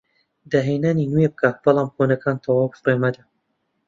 داهێنانی نوێ بکە بەڵام کۆنەکان تەواو فڕێ مەدە